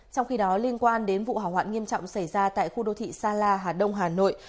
trong khi đó liên quan đến vụ hỏa hoạn nghiêm trọng xảy ra tại khu đô thị sa la hà đông hà nội